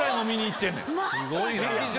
すごいな。